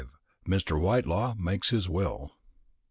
MR. WHITELAW MAKES HIS WILL.